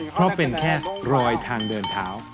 เพราะเป็นแค่รอยทางเดินเท้า